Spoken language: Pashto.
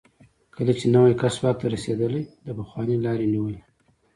کله چې نوی کس واک ته رسېدلی، د پخواني لار یې نیولې.